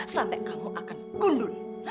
sampai kamu akan gundul